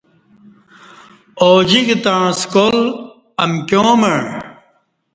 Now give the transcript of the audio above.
اوجِک تعں سکال امکیاں مع